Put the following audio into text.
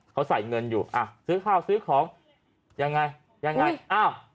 เขาใส่เงินอยู่อ่ะซื้อข้าวซื้อของยังไงยังไงอ้าว